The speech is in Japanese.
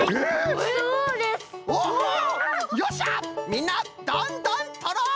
みんなどんどんとろう！